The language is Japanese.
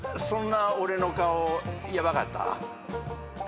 そんな俺の顔ヤバかった？